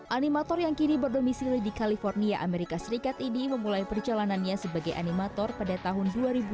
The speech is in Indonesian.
animator yang kini berdomisili di california amerika serikat ini memulai perjalanannya sebagai animator pada tahun dua ribu dua